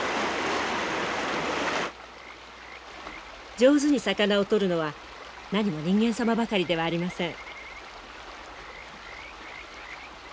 上手に魚を取るのはなにも人間様ばかりではありません。